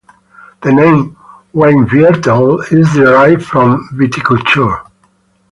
The name Weinviertel is derived from Viticulture.